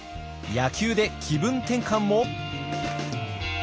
野球で気分転換も！？